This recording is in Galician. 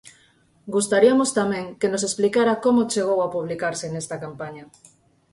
Gustaríanos tamén que nos explicara como chegou a publicarse nesta campaña.